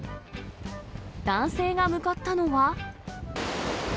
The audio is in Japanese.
男性が向かったのは。